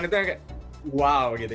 bikin laporan itu kayak wow gitu